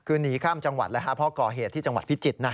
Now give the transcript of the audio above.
คือหนีข้ามจังหวัดแล้วเพราะก่อเหตุที่จังหวัดพิจิตร